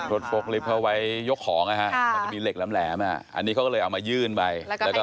รถโฟล์คลิฟต์เขาไว้ยกของมีเหล็กแหลมอันนี้เขาก็เลยเอามายื่นไป